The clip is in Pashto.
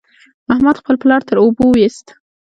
احمد خپل پلار تر اوبو وېست.